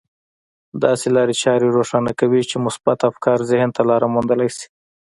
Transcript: داسې لارې چارې روښانه کوي چې مثبت افکار ذهن ته لاره موندلای شي.